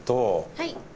はい。